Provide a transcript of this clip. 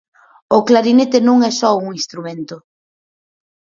O clarinete non é só un instrumento.